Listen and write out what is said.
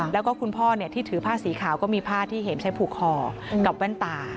แล้วก็คุณพ่อที่ถือผ้าสีขาวก็มีผ้าที่เห็มใช้ผูกคอกับแว่นตา